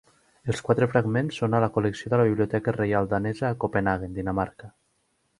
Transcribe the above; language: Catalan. Els quatre fragments són a la col·lecció de la Biblioteca Reial Danesa a Copenhaguen, Dinamarca.